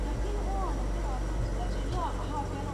Ukiomba utasikika.